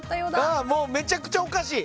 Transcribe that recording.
もうめちゃくちゃおかしい。